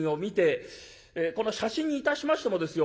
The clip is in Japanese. この写真にいたしましてもですよ